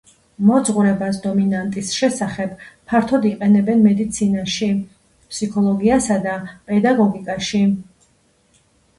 მოძღვრებას დომინანტის შესახებ ფართოდ იყენებენ მედიცინაში, ფსიქოლოგიასა და პედაგოგიკაში.